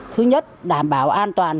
thứ nhất đảm bảo an toàn